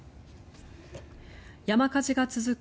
山火事が続く